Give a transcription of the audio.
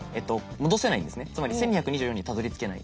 つまり１，２２４にたどりつけない。